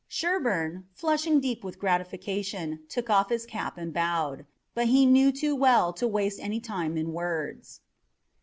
Sherburne, flushing deep with gratification, took off his cap and bowed. But he knew too well to waste any time in words.